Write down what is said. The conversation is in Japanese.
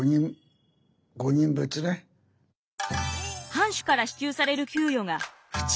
藩主から支給される給与が扶持。